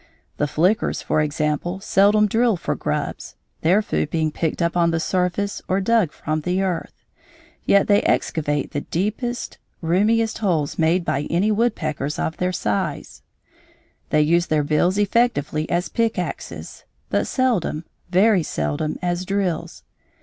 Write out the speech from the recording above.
The flickers, for example, seldom drill for grubs, their food being picked up on the surface or dug from the earth; yet they excavate the deepest, roomiest holes made by any woodpeckers of their size; they use their bills effectively as pick axes, but seldom, very seldom, as drills.